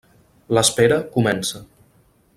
L'espera comença.